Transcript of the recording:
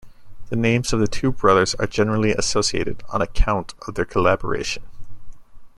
The names of the two brothers are generally associated, on account of their collaboration.